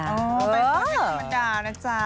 อ๋อใบสวนไม่กรรมดานะจ๊ะ